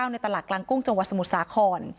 ในตลาดกลางกุ้งจังหวัดสมุทรสาคร